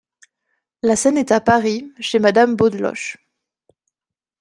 La scène est à Paris, chez Madame Beaudeloche.